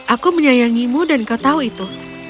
aku menyayangimu dan kau tahu itu